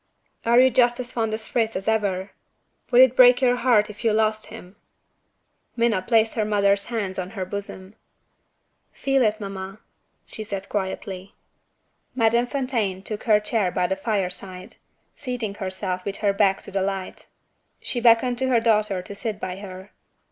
"Are you just as fond of Fritz as ever? would it break your heart if you lost him?" Minna placed her mother's hand on her bosom. "Feel it, mamma," she said quietly. Madame Fontaine took her chair by the fire side seating herself with her back to the light. She beckoned to her daughter to sit by her.